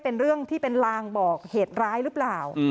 เป็นเรื่องที่เป็นลางบอกเหตุร้ายหรือเปล่า